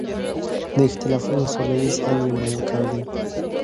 د اختلافونو سوله ییز حل یو مهم کار دی.